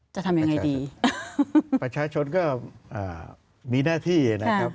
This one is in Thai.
จะทำยังไงดีประชาชนก็มีหน้าที่นะครับ